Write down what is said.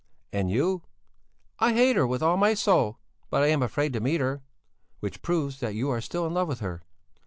"And you?" "I hate her with all my soul, but I am afraid to meet her." "Which proves that you are still in love with her."